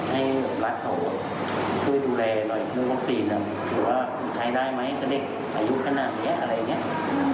หรือว่าใช้ได้ไหมให้ก็เด็กอายุขนาดนี้อะไรอย่างนี้